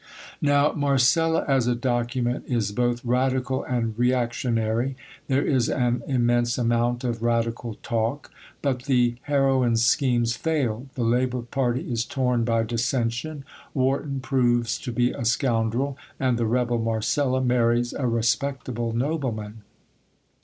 Now, Marcella, as a document, is both radical and reactionary. There is an immense amount of radical talk; but the heroine's schemes fail, the Labour party is torn by dissension, Wharton proves to be a scoundrel, and the rebel Marcella marries a respectable nobleman.